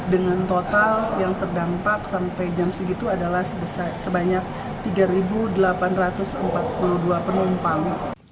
dengan total yang terdampak sampai jam segitu adalah sebanyak tiga delapan ratus empat puluh dua penumpang